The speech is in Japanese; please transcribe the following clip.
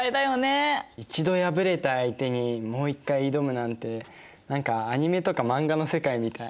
１度敗れた相手にもう一回挑むなんて何かアニメとか漫画の世界みたい。